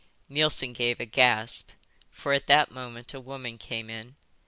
Neilson gave a gasp, for at that moment a woman came in.